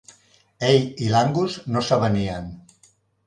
Ell i l'Angus no s'avenien.